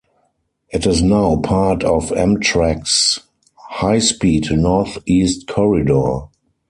It is now part of Amtrak's high-speed Northeast Corridor.